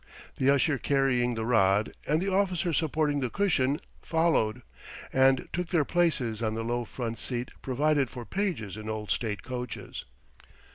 The Usher carrying the rod, and the officer supporting the cushion, followed, and took their places on the low front seat provided for pages in old state coaches.